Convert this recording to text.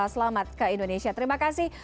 selamat ke indonesia terima kasih